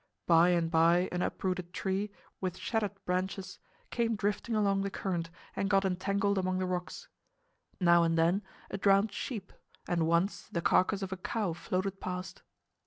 By and by an uprooted tree, with shattered branches, came drifting along the current and got entangled among the rocks. Now and then a drowned sheep and once the carcass of a cow floated past.